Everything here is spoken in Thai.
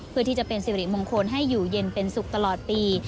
เพื่อที่จะเป็นสิริมงคลให้อยู่เย็นเป็นสุขตลอดปี